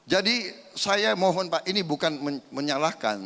jadi saya mohon pak ini bukan menyalahkan